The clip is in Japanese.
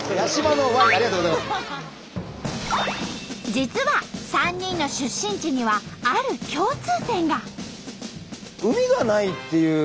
実は３人の出身地にはある共通点が。